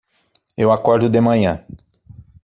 Eu acordo de manhã